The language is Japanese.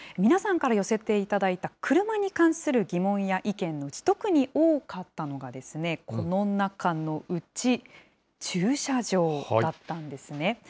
皆さんから寄せていただいたクルマに関する疑問や意見のうち、特に多かったのが、この中のうち、駐車場だったんですね。